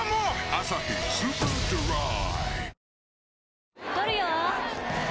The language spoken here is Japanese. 「アサヒスーパードライ」